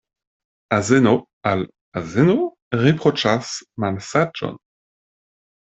Azeno al azeno riproĉas malsaĝon.